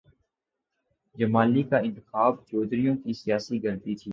جمالی کا انتخاب چودھریوں کی سیاسی غلطی تھی۔